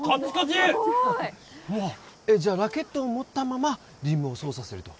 すごいえっじゃあラケットを持ったままリムを操作すると？